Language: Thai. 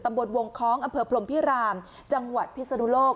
บนวงคล้องอำเภอพรมพิรามจังหวัดพิศนุโลก